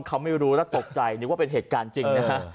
เขาไม่รู้แล้วตกใจนึกว่าเป็นเหตุการณ์จริงนะฮะ